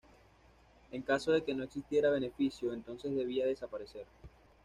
En caso de que no existiera beneficio, entonces debía desaparecer.